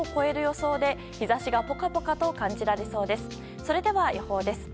それでは予報です。